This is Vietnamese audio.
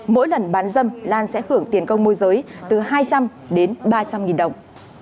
mỗi lần bán dâm lan sẽ hưởng tiền công môi giới từ hai trăm linh đến ba trăm linh nghìn đồng